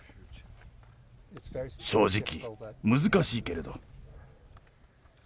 正直、難しいけれど。